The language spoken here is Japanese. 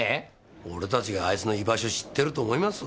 俺たちがあいつの居場所知ってると思います？